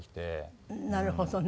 なるほどね。